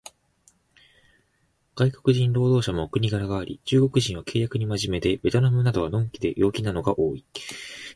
外国人労働者もお国柄があり、中国人は契約に真面目で、ベトナムなどは呑気で陽気なのが多い